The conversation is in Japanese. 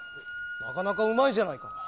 なかなかうまいじゃないか。